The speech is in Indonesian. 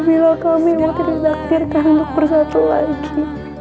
bila kami memutir daktirkan untuk bersatu lagi